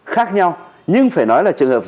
khác nhau nhưng phải nói là trường hợp